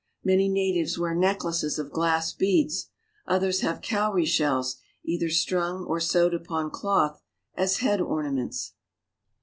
Many natives wear necklaces of glass beads; others have cowrie shells, either strung or sewed upon cloth, as head ornaments.